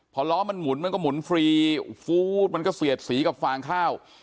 พอล้อมันหมุนมันก็หมุนฟรีฟู้ดมันก็เสียดสีกับฟางข้าว